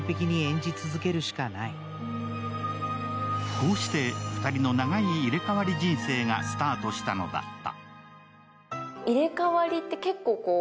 こうして２人の長い入れ代わり人生がスタートしたのだった。